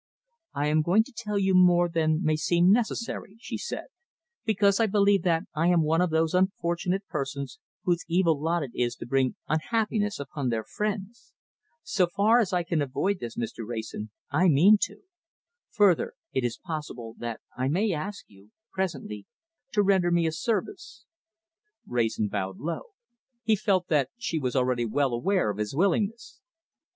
"I am going to tell you more than may seem necessary," she said, "because I believe that I am one of those unfortunate persons whose evil lot it is to bring unhappiness upon their friends. So far as I can avoid this, Mr. Wrayson, I mean to. Further it is possible that I may ask you presently to render me a service." Wrayson bowed low. He felt that she was already well aware of his willingness.